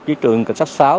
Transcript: với trường cảnh sát sáu